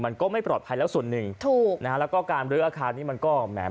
มันก็ไม่ปลอดภัยแล้วส่วนหนึ่งถูกนะฮะแล้วก็การลื้ออาคารนี้มันก็แหม